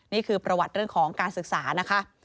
นี่คือประวัติเรื่องของการศึกษานะคะ